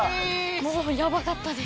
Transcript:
もうやばかったです。